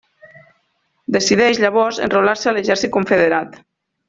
Decideix llavors enrolar-se a l'exèrcit confederat.